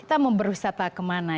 kita mau berwisata kemana